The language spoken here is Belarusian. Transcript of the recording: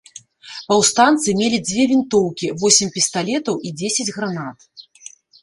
Паўстанцы мелі дзве вінтоўкі, восем пісталетаў і дзесяць гранат.